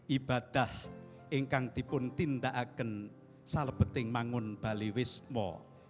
ibadah engkang tipun tindaaken salbeting mangun baliwismo